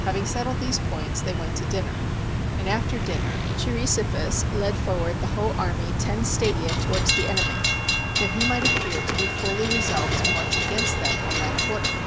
Having settled these points, they went to dinner; and after dinner Cheirisophus led for ward the whole army ten stadia towards the enemy, that he might appear to be fully resolved to march against them on that quarter.